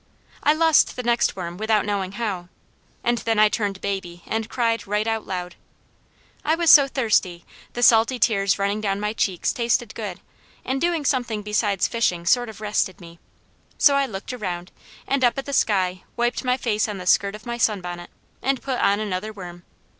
I lost the next worm without knowing how, and then I turned baby and cried right out loud. I was so thirsty, the salty tears running down my cheeks tasted good, and doing something besides fishing sort of rested me; so I looked around and up at the sky, wiped my face on the skirt of my sunbonnet, and put on another worm.